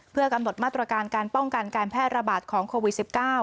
เพื่อกำหนดมาตรการการป้องกันการแพร่ระบาดของโควิด๑๙